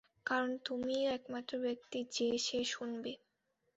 কারণ তুমিই একমাত্র ব্যক্তি যে সে শুনবে।